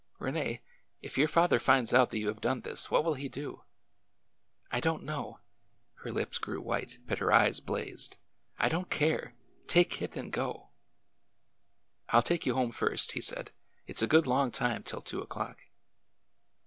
" Rene, if your father finds out that you have done this what will he do? "" I don't know !" Her lips grew white, but her eyes blazed. " I don't care ! Take Kit and go 1 "" I 'll take you home first," he said. " It 's a good long time till two o'clock."